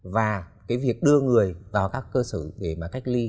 và cái việc đưa người vào các cơ sở để mà cách ly